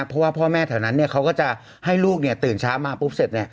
เพราะว่าพ่อแม่แถวนั้นเขาก็จะให้ลูกตื่นเช้ามาปุ๊บเสร็จ